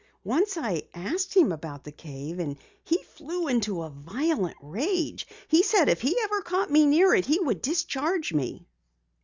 Once I asked him about the cave and he flew into a violent rage. He said if he ever caught me near it he would discharge me."